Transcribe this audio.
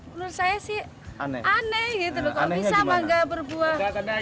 menurut saya sih aneh gitu loh kok bisa mangga berbuah